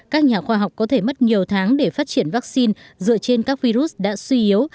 các nhà khoa học có thể mất nhiều tháng để phát triển vaccine dựa trên các virus đã suy yếu